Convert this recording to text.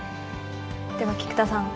では菊田さん